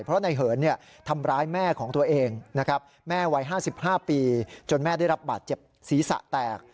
เพราะนายเหินทำร้ายแม่ของตัวเองนะครับแม่วัย๕๕ปีจนแม่ได้รับบาดเจ็บศีรษะแตก